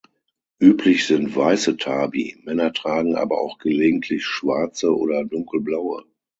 Üblich sind weiße Tabi; Männer tragen aber auch gelegentlich schwarze oder dunkelblaue.